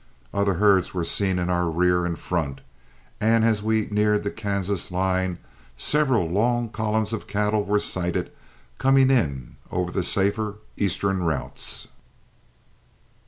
Other herds were seen in our rear and front, and as we neared the Kansas line several long columns of cattle were sighted coming in over the safer eastern routes.